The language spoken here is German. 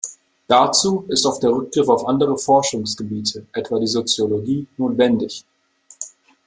Dazu ist oft der Rückgriff auf andere Forschungsgebiete, etwa die Soziologie, notwendig.